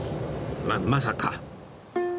ままさか